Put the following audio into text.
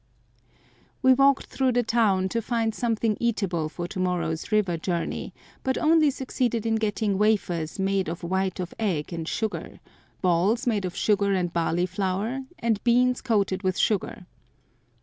We walked through the town to find something eatable for to morrow's river journey, but only succeeded in getting wafers made of white of egg and sugar, balls made of sugar and barley flour, and beans coated with sugar.